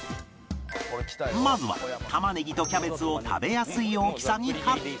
まずは玉ねぎとキャベツを食べやすい大きさにカット